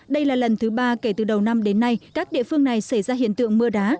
đây là lần thứ ba kể từ đầu năm đến nay các địa phương này xảy ra hiện tượng mưa đá